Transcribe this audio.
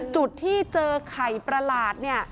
จุดที่เจอไข่ประหลาดเนี่ย